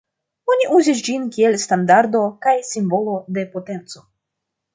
Oni uzis ĝin kiel standardo kaj simbolo de potenco.